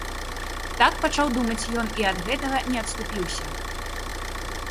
Так пачаў думаць ён і ад гэтага не адступіўся.